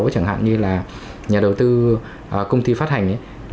chẳng hạn như là nhà đầu tư công ty phát hành